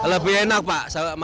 lebih enak pak